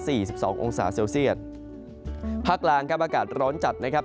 สิบสององศาเซลเซียตภาคล่างครับอากาศร้อนจัดนะครับ